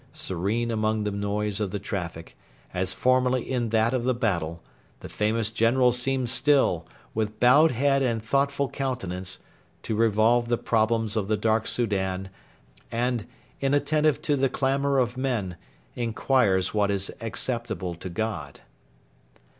Serene amid the noise of the traffic, as formerly in that of the battle, the famous General seems still, with bowed head and thoughtful countenance, to revolve the problems of the dark Soudan and, inattentive to the clamour of men, inquires what is acceptable to God.